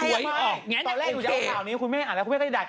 สวยออกแบบเนี่ยตอนแรกดูจะเอาข่าวนี้คุณแม่อ่านแล้วคุณแม่ก็ได้